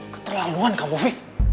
keterlaluan kamu afif